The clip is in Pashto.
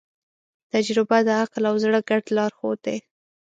تجربه د عقل او زړه ګډ لارښود دی.